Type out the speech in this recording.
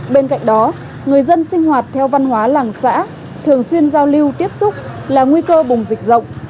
bên cạnh đó người dân sinh hoạt theo văn hóa làng xã thường xuyên giao lưu tiếp xúc là nguy cơ bùng dịch rộng